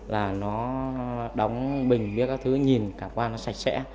là nó đóng bình các thứ nhìn cả qua nó sạch sẽ